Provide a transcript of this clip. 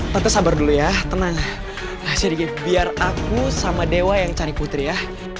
tapi sabar dulu ya tenang sedikit biar aku sama dewa yang cari putri ya